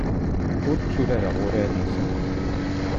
Ur tturareɣ urar-nsent.